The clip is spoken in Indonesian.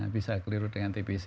bisa keliru dengan tbc